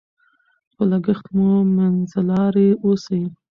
په لګښت کې منځلاري اوسئ.